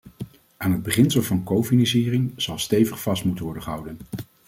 Aan het beginsel van cofinanciering zal stevig vast moeten worden gehouden.